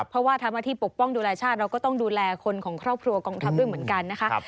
เพราะว่าทำหน้าที่ปกป้องดูแลชาติเราก็ต้องดูแลคนของครอบครัวกองทัพด้วยเหมือนกันนะคะ